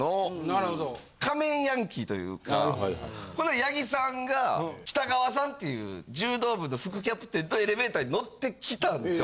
なるほど。というかほんで八木さんがきたがわさんっていう柔道部の副キャプテンとエレベーターに乗ってきたんですよ。